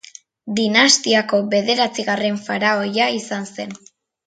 Dinastiako bederatzigarren faraoia izan zen.